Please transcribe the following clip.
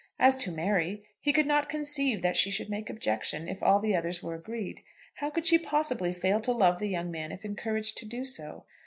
As to Mary, he could not conceive that she should make objection if all the others were agreed. How could she possibly fail to love the young man if encouraged to do so?